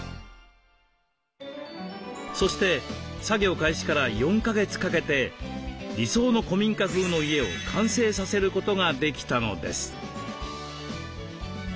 そして作業開始から４か月かけて理想の古民家風の家を完成させることができたのです。